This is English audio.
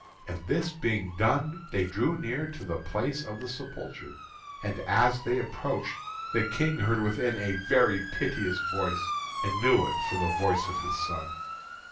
And this being done, they drew near to the place of the sepulchre; and as they approached, the King heard within a very piteous voice, and knew it for the voice of his son.